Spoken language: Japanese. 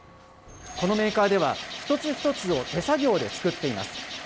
このメーカーでは一つ一つを手作業で作っています。